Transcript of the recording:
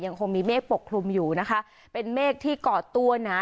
คงมีเมฆปกคลุมอยู่นะคะเป็นเมฆที่ก่อตัวหนา